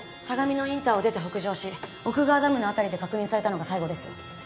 相模野インターを出て北上し奥川ダムの辺りで確認されたのが最後です。